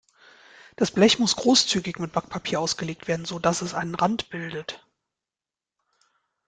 Das Blech muss großzügig mit Backpapier ausgelegt werden, sodass es einen Rand bildet.